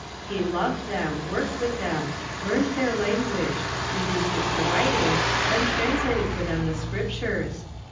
He loved them, worked with them, learned their language, reduced it to writing, then translated for them the Scriptures.